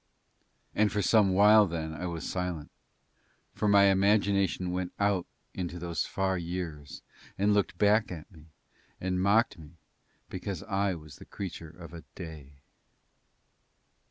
And for some while then I was silent, for my imagination went out into those far years and looked back at me and mocked me because I was the creature of a day.